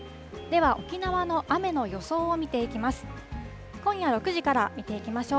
では、沖縄の雨の予想を見ていきます。